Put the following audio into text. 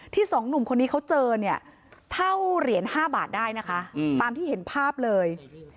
สองหนุ่มคนนี้เขาเจอเนี่ยเท่าเหรียญ๕บาทได้นะคะตามที่เห็นภาพเลย